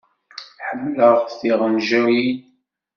Ḥemmleɣ tiɣenjayin.